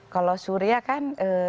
kalau surya kan